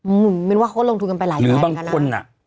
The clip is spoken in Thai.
มันว่าเขาก็ลงทุนกันไปหลายอย่างกันหรือบางคนน่ะ